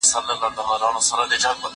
کېدای سي ځواب لنډ وي!.